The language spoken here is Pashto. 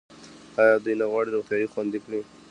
آیا دوی نه غواړي روغتیا خوندي کړي؟